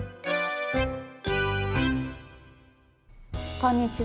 こんにちは。